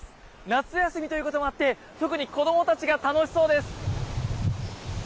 夏休みということもあって特に子どもたちが楽しそうです。